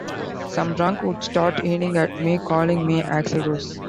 Some drunk would start yelling at me, calling me Axl Rose.